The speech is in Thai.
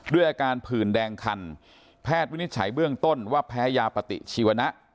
ด้วยอาการผื่นแดงคันแพทย์วินิจฉัยเบื้องต้นว่าแพ้ยาปฏิชีวนะ